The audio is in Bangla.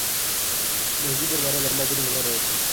মসজিদের বাইরে লম্বা দুটি মিনার রয়েছে।